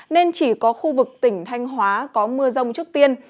nên chỉ có khu vực tỉnh thanh hóa có mưa rông trước tiên